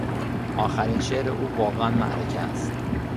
آخرین شعر او واقعا معرکه است.